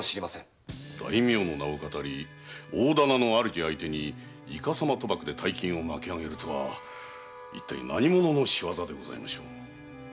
大名の名を騙り大店の主相手にいかさま賭博で大金を巻き上げるとは一体何者の仕業でございましょう？